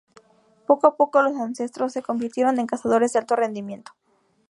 Poco a poco, los ancestros se convirtieron en cazadores de alto rendimiento.